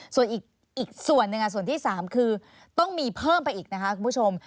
ส่วนอีกส่วนหนึ่งส่วนที่๓คือต้องมีเพิ่มไปอีกนะคะคุณผู้ชม